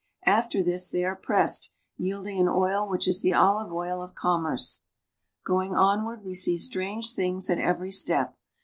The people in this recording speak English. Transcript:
After this they are pressed, yielding an oil which is the olive oil of commerce. L Going onward we see strange things at every step.